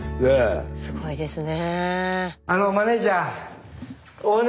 すごいですね。